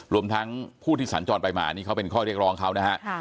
รวมทั้งผู้ที่สัญจรไปมานี่เขาเป็นข้อเรียกร้องเขานะฮะ